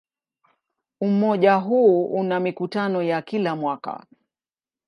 Umoja huu una mikutano ya kila mwaka.